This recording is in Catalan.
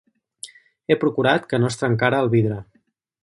He procurat que no es trencara el vidre.